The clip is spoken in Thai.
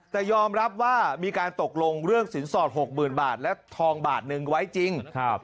แต่ยอมรับว่ามีการตกลงเรื่องสินสอด๖๐๐๐บาทและทองบาทหนึ่งไว้จริง